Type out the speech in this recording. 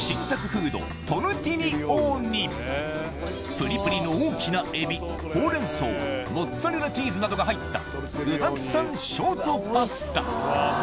プリプリの大きなエビほうれん草モッツァレラチーズなどが入った具だくさんショートパスタ